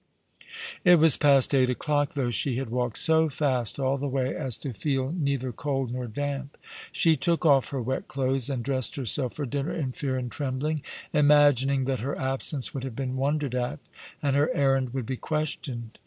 It was past eight o'clock, though she had walked so fast all the way as to feel neither cold nor damp. She took off her wet clothes and dressed herself for dinner in fear and trembling, imagining that her absence would have been wondered at, and her errand would be questioned.